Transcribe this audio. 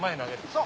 そう。